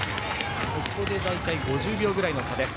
大体５０秒ぐらいの差です。